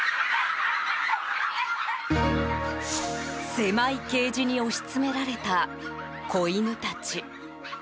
狭いケージに押し詰められた子犬たち。